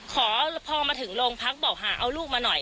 ขอพอมาถึงโรงพักบอกหาเอาลูกมาหน่อย